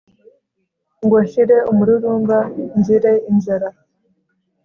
ngo nshire umururumba nzire inzara